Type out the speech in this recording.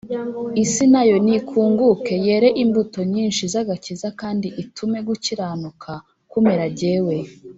Isi na yo nikinguke yere imbuto nyinshi z agakiza kandi itume gukiranuka kumera jyewe